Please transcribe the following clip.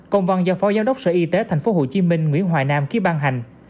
công văn do phó giám đốc sở y tế tp hcm nguyễn hoài nam ký ban hành